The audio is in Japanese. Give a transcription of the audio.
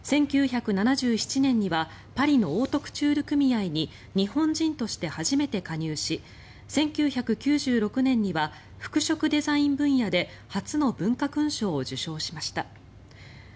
１９７７年にはパリのオートクチュール組合に日本人として初めて加入し１９９６年には服飾デザイン分野で初の文化勲章を受章しました。